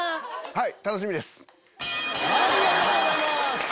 はい。